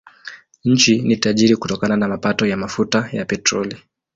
Nchi ni tajiri kutokana na mapato ya mafuta ya petroli.